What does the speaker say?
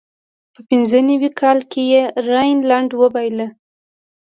په پینځه نوي کال کې یې راینلنډ وبایله.